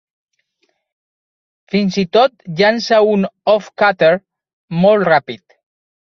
Fins i tot llança un "off cutter" molt ràpid.